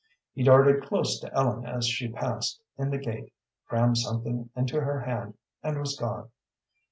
He darted close to Ellen as she passed in the gate, crammed something into her hand, and was gone.